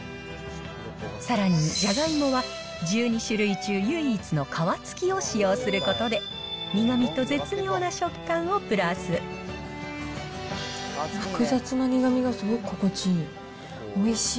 さらにジャガイモは１２種類中唯一の皮付きを使用することで、複雑な苦みがすごく心地いい。